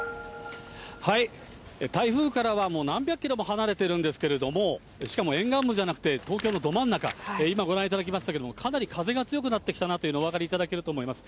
台風からはもう何百キロも離れているんですけれども、しかも沿岸部じゃなくて、東京のど真ん中、今ご覧いただきましたけれども、かなり風が強くなってきたなというのが、お分かりいただけると思います。